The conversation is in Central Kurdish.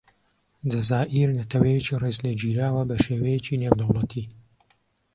جەزائیر نەتەوەیەکی ڕێز لێگیراوە بەشێوەیەکی نێودەوڵەتی.